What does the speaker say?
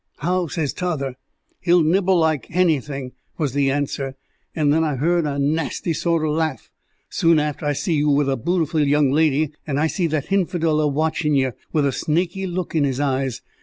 'How?' says t'other. 'He'll nibble like hanything,' was the answer, and then I hearn a nasty sort o' laugh. Soon after, I see you with a bootiful young lady, and I see that hinfidel a watchin' yer, with a snaky look in his eyes.